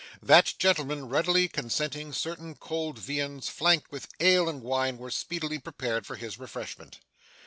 That gentleman readily consenting, certain cold viands, flanked with ale and wine, were speedily prepared for his refreshment.